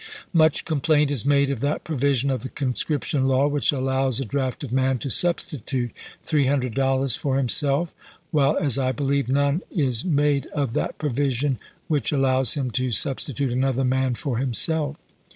" Much complaint is made of that provision of the conscription law which allows a drafted man to substitute three hundred dollars for himself ; while, as I believe, none is made of that provision which allows him to substitute another man for himself.